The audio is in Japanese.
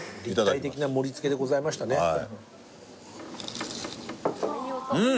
立体的な盛りつけでございましたねうん！